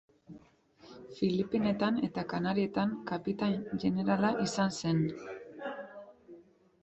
Filipinetan eta Kanarietan kapitain jenerala izan zen.